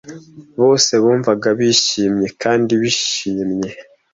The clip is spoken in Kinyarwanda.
bose bumvaga bishimye kandi bishimye.